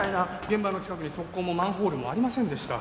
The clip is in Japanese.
現場の近くに側溝もマンホールもありませんでした。